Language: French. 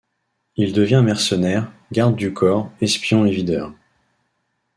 Il devint mercenaire, garde-du-corps, espion et videur...